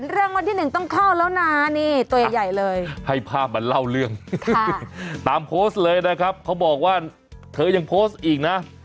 แล้วนะนี่ตัวใหญ่เลยให้ภาพมันเล่าเรื่องตามโพสต์เลยนะครับเขาบอกว่าเธอยังโพสต์อีกนะ